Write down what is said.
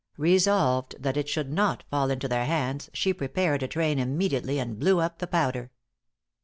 Resolved that it should not fall into their hands, she prepared a train immediately, and blew up the powder.